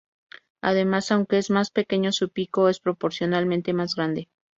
Además, aunque es más pequeño, su pico es proporcionalmente más grande.